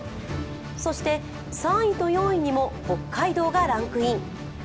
そして３位と４位にも北海道がランクイン。